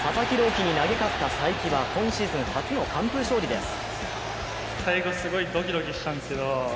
希に投げ勝った才木は今シーズン初の完封勝利です。